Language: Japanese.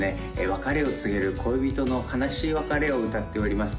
別れを告げる恋人の悲しい別れを歌っております